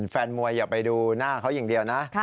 แฟนมวยอย่าไปดูหน้าเขาอย่างเดียวนะ